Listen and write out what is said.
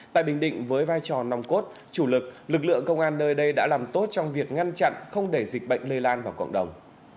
tại bình định với vai trò nòng cốt chủ lực lực lượng công an nơi đây đã làm tốt trong việc ngăn chặn không để dịch bệnh lây lan vào cộng đồng